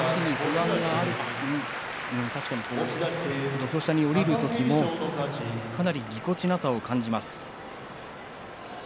土俵下に下りる時もかなりぎこちなさを感じます。